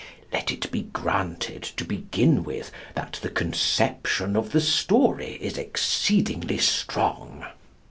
Let it be granted, to begin with, that the conception of the story is exceedingly strong.